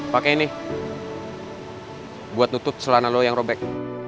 pake ini buat nutup selana lo yang robek